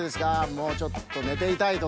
「もうちょっとねていたい」とか。